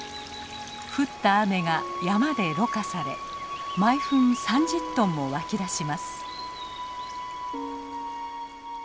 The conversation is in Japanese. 降った雨が山でろ過され毎分３０ｔも湧き出します。